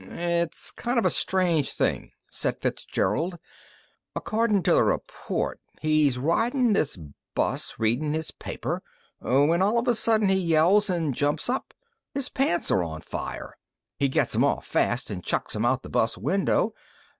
"It's kind of a strange thing," said Fitzgerald. "Accordin' to the report he's ridin' this bus, readin' his paper, when all of a sudden he yells an' jumps up. His pants are on fire. He gets 'em off fast and chucks them out the bus window.